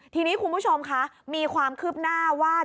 ทีนี้คุณผู้ชมคะมีความคืบหน้าว่า